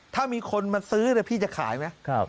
ถ้ามีคนมาซื้อพี่จะขายไหม